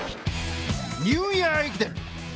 ニューイヤー駅伝。